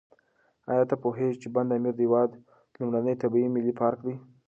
ایا ته پوهېږې چې بند امیر د هېواد لومړنی طبیعي ملي پارک دی؟